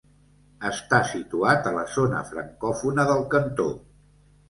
Està situat a la zona francòfona del cantó.